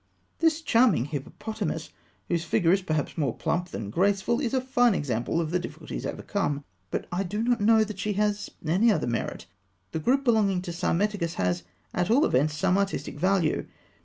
This charming hippopotamus, whose figure is perhaps more plump than graceful, is a fine example of difficulties overcome; but I do not know that she has any other merit. The group belonging to Psammetichus has at all events some artistic value.